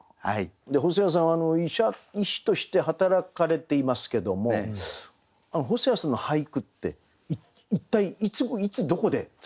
細谷さんは医者医師として働かれていますけども細谷さんの俳句って一体いつどこで作ってる。